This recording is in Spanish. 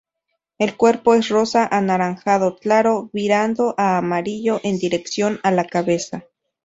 El cuerpo es rosa-anaranjado claro, virando a amarillo en dirección a la cabeza.